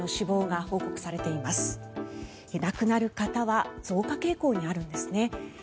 亡くなる方は増加傾向にあるんですね。